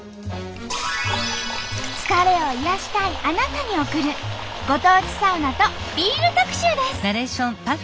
疲れを癒やしたいあなたに送るご当地サウナとビール特集です。